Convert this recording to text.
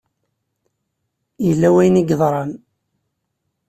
Yella wayen ay yeḍran.